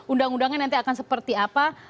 undang undangnya nanti akan seperti apa